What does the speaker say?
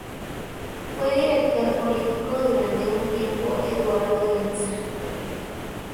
Fue director político durante un tiempo Eduardo Inza.